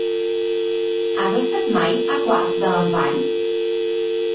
Has estat mai a Quart de les Valls?